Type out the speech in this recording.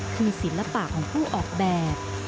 คือศิลปะของผู้ออกแบบ